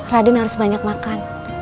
raden harus banyak makan